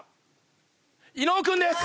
伊野尾君です！